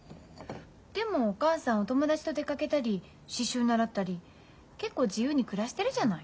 でもお母さん友達と出かけたり刺繍習ったり結構自由に暮らしてるじゃない。